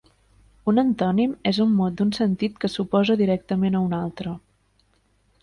Un antònim és un mot d'un sentit que s'oposa directament a un altre.